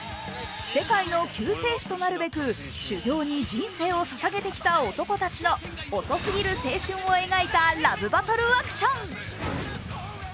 世界の救世主となるべく修行に人生をささげてきた男たちの遅すぎる青春を描いたラブバトルアクション。